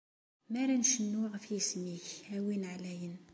Mi ara ncennu ɣef yisem-ik, a Win Ɛlayen!